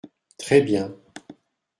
Très bien.